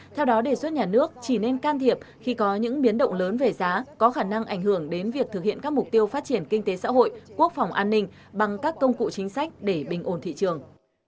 theo đó đề xuất nhà nước chỉ nên can thiệp khi có những biến động lớn về giá có khả năng ảnh hưởng đến việc thực hiện các mục tiêu phát triển kinh tế xã hội quốc phòng an ninh bằng các công cụ chính sách để bình ổn thị trường